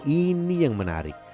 ini yang menarik